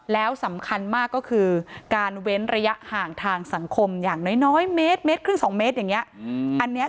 แล้วสำคัญมากก็คือการเว้นระยะห่างทางสังคมอย่างน้อยเมตรครึ่ง๒เมตรอย่างนี้